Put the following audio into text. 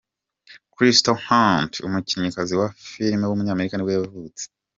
Crystal Hunt, umukinnyikazi wa filime w’umunyamerika nibwo yavutse.